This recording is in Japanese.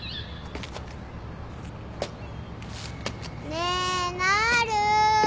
ねえなる。